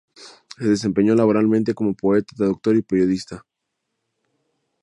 Se desempeñó laboralmente como poeta, traductor y periodista.